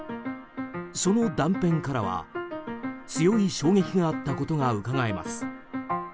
その断片からは、強い衝撃があったことがうかがえます。